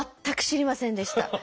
全く知りませんでした。